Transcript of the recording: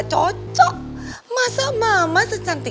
dosaan aja gak sih